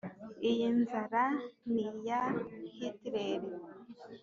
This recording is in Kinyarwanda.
Iyi nzara ni iya Hitileri.